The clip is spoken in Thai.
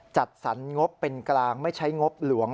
จัดสรรงบเป็นกลางไม่ใช้งบหลวง